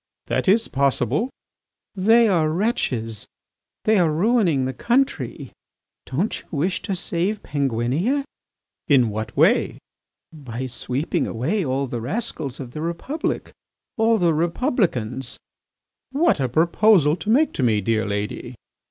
"That is possible." "They are wretches; they are ruining the country. Don't you wish to save Penguinia? "In what way?" "By sweeping away all the rascals of the Republic, all the Republicans." "What a proposal to make to me, dear lady!"